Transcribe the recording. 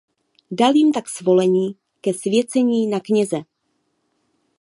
Dal jim tak svolení ke svěcení na kněze.